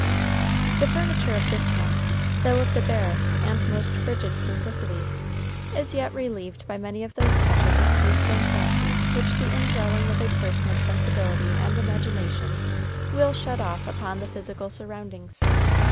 The furniture of this room, though of the barest and most frigid simplicity, is yet relieved by many of those touches of taste and fancy which the indwelling of a person of sensibility and imagination will shed off upon the physical surroundings.